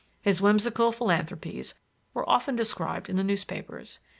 His whimsical philanthropies were often described in the newspapers.